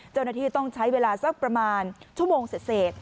เจ้าหน้าที่ต้องใช้เวลาสักประมาณชั่วโมงเสร็จ